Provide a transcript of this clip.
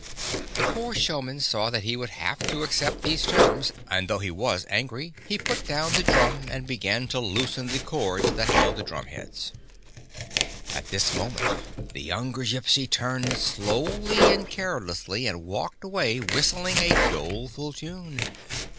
The poor showman saw that he would have to accept these terms, and though he was angry. 2 3 GYPSY, THE TALKING DOG lie put down the drum, and began to loosen the cords that held the drumheads. At this moment the younger Gypsy turned slowly and carelessly and walked away, whistling a doleful tune.